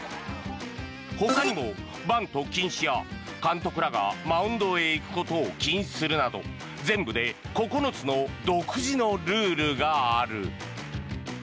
ほかにもバント禁止や監督らがマウンドへ行くことを禁止するなど、全部で９つの独自のルールがある。